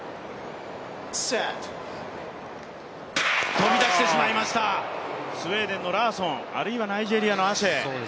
飛び出してしまいました、スウェーデンのラーソンあるいはナイジェリアのアシェ。